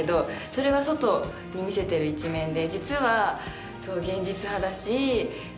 それは外に見せてる一面で。